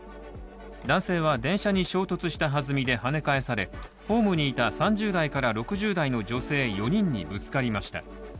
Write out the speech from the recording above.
男性は電車に衝突したはずみではね返されホームにいた３０代から６０代の女性４人にぶつかりました。